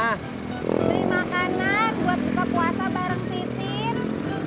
beri makanan buat buka kuasa bareng titin